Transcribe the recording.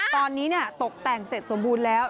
ตอนนี้ตกแต่งเสร็จสมบูรณ์แล้ว